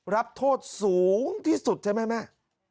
รับโทษสูงที่สุดใช่ไหมแม่